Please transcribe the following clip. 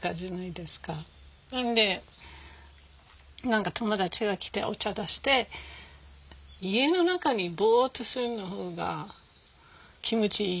なので何か友達が来てお茶出して家の中でボッとするのが気持ちいいのね。